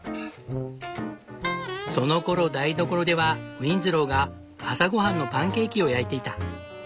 そのころ台所ではウィンズローが朝ごはんのパンケーキを焼いていた。